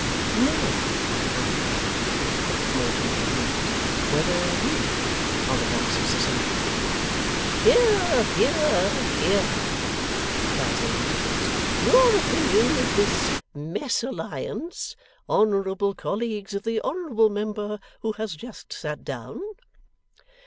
['Now I wonder,' thinks Mortimer, amused, 'whether YOU are the Voice of Society!') 'Hear, hear, hear!' cries Lady Tippins. 'Your opinion of this MESALLIANCE, honourable colleagues of the honourable member who has just sat down?